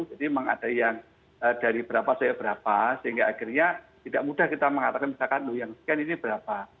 jadi memang ada yang dari berapa sampai berapa sehingga akhirnya tidak mudah kita mengatakan misalkan yang sekian ini berapa